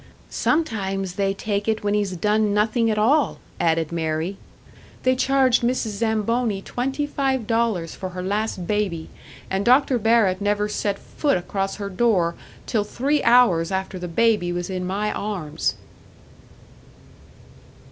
"Sometimes they take it when he's done nothin' at all," added Mary. "They charged Mrs. Zamboni twenty five dollars for her last baby and Dr. Barrett never set foot across her door till three hours after the baby was in my arms!"